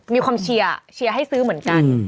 มีความเชียร์เชียร์ให้ซื้อเหมือนกัน